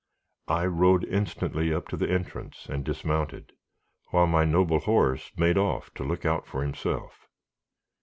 I rode instantly up to the entrance and dismounted, while my noble horse made off to look out for himself.